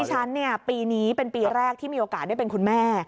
ฉันเนี่ยปีนี้เป็นปีแรกที่มีโอกาสได้เป็นคุณแม่